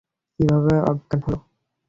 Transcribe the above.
কীভাবে অজ্ঞান হলো?